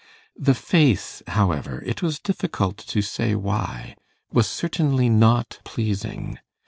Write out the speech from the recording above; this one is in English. The face, however it was difficult to say why was certainly not pleasing.